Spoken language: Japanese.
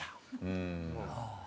うん。